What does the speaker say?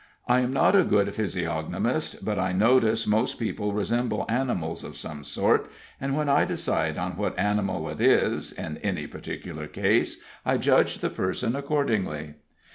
I am not a good physiognomist, but I notice most people resemble animals of some sort, and when I decide on what animal it is, in any particular case, I judge the person accordingly.